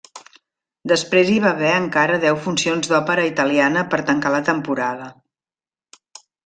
Després hi va haver encara deu funcions d'òpera italiana per tancar la temporada.